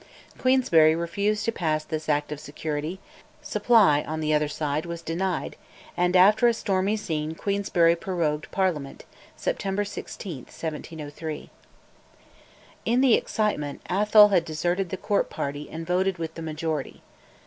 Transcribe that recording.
Queensberry refused to pass this Act of Security; Supply, on the other side, was denied, and after a stormy scene Queensberry prorogued Parliament (September 16, 1703). In the excitement, Atholl had deserted the Court party and voted with the majority.